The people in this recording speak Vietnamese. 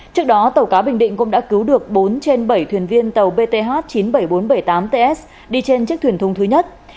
trước đó tàu cá bình định cũng đã cứu được bốn trên bảy thuyền viên tàu bth chín mươi bảy nghìn bốn trăm bảy mươi tám ts đi trên chiếc thuyền thúng thứ nhất